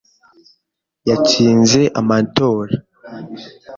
yatsinze amatora.